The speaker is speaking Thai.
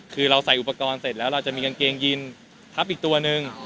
คือเราใส่อุปกรณ์เสร็จแล้วเราจะมีกางเกงยินทับอีกตัวหนึ่ง